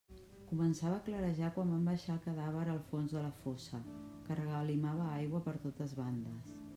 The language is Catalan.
Començava a clarejar quan van baixar el cadàver al fons de la fossa, que regalimava aigua per totes bandes.